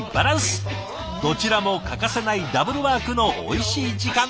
どちらも欠かせないダブルワークのおいしい時間。